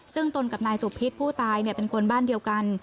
ซึ่งตนกับนายสุพิษผู้ตายเป็นคนบ้านเดียวกัน